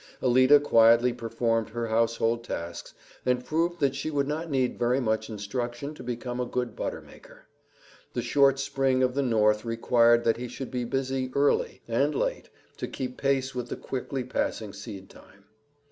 Alida quietly performed her household tasks and proved that she would not need very much instruction to become a good butter maker. The short spring of the North required that he should be busy early and late to keep pace with the quickly passing seedtime.